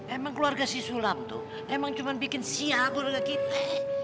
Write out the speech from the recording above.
emang keluarga si sulam tuh emang cuma bikin siabur ke kita